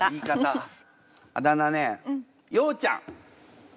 あだ名ねようちゃん。